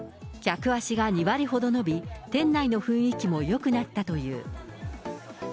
客足が２割ほど伸び、店内の雰囲気もよくなったという。